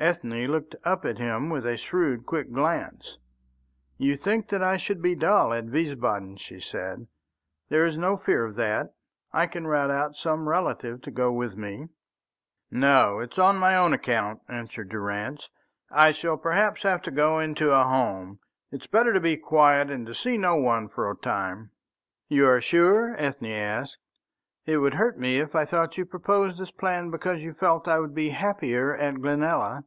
Ethne looked up at him with a shrewd, quick glance. "You think that I should be dull at Wiesbaden," she said. "There is no fear of that. I can rout out some relative to go with me." "No; it is on my own account," answered Durrance. "I shall perhaps have to go into a home. It is better to be quite quiet and to see no one for a time." "You are sure?" Ethne asked. "It would hurt me if I thought you proposed this plan because you felt I would be happier at Glenalla."